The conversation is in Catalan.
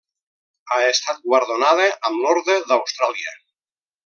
Ha estat guardonada amb l'Orde d'Austràlia.